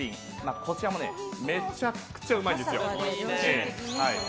こちらもめちゃくちゃうまいです！